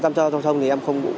giam cho giao thông thì em không có